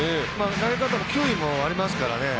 投げ方も球威もありますからね。